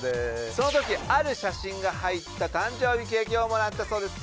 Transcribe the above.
その時ある写真が入った誕生日ケーキをもらったそうです。